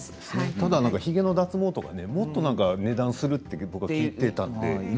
ただ、ひげの脱毛とかもっと高いと聞いていたので。